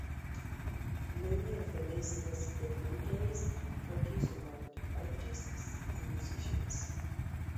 Many of the Maysles' documentaries focus on art, artists and musicians.